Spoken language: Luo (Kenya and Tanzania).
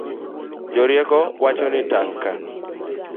Jorieko wacho ni tang' ka